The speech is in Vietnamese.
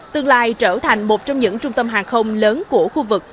tương lai trở thành một trong những trung tâm hàng không lớn của khu vực